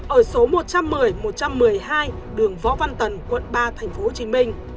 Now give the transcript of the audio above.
ở số một trăm một mươi một trăm một mươi hai đường võ văn tần quận ba tp hcm